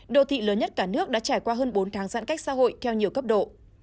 đô thị lớn nhất cả nước đã trải qua hơn bốn tháng giãn cách xã hội theo nhiều cấp độ